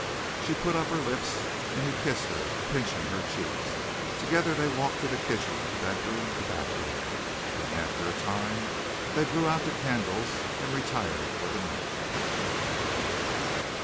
She put up her lips and he kissed her, pinching her cheeks. Together they walked to the kitchen, the bedroom, the bathroom. Then after a time they blew out the candles and retired for the night.